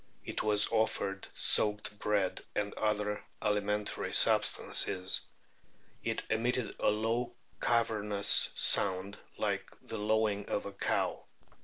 It was offered "soaked bread and other alimentary substances"! "It emitted a low cavernous sound like the lowing of a cow."